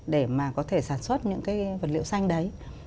để mà có thể sản xuất những cái vật liệu xanh đấy